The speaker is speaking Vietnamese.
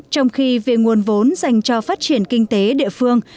trong khi về nguồn vốn dành cho phát triển kinh tế địa phương